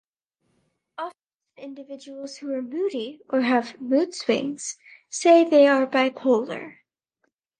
Often individuals who are "moody" or have mood swings say they are bipolar.